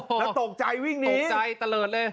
โอ้โหแล้วตกใจวิ่งนี้ตกใจตะเลิดเลย